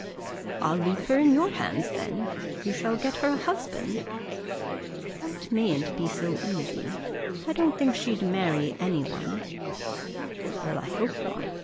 "I'll leave her in your hands then; you shall get her a husband." "That mayn't be so easy. I don't think she'd marry anybody." "Well, I hope not.